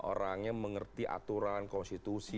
orang yang mengerti aturan konstitusi